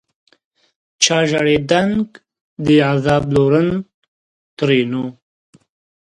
چا ژړېدنک دي عذاب لورن؛ ترينو